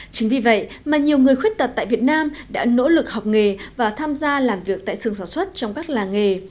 chính vì vậy mà nhiều người khuyết tật tại việt nam đã nỗ lực học nghề và tham gia làm việc tại xương sản xuất trong các làng nghề